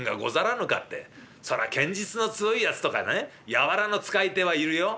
「ってそら剣術の強いやつとかね柔の使い手はいるよ。